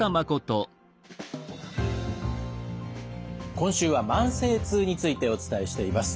今週は慢性痛についてお伝えしています。